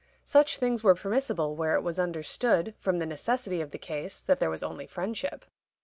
Such things were permissible where it was understood, from the necessity of the case, that there was only friendship.